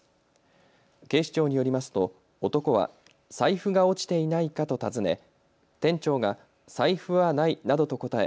警視庁によりますと男は財布が落ちていないかと尋ね店長が財布はないなどと答え